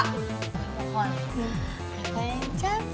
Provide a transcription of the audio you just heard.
kenapa yang cat